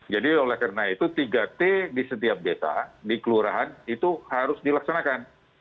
jadi oleh karena itu tiga t di setiap desa dikeluarahan itu harus dilaksanakan